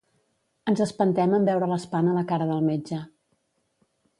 Ens espantem en veure l'espant a la cara del metge.